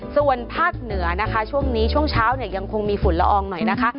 ส่วนภาคเหนือนะคะช่วงนี้ช่วงเช้าเนี่ยยังคงมีฝุ่นละอองหน่อยนะคะ